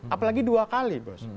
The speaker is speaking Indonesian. apalagi dua kali